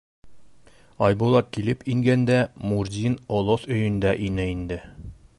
Айбулат килеп ингәндә, Мурзин олоҫ өйөндә ине инде.